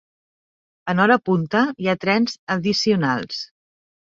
En hora punta, hi ha trens addicionals.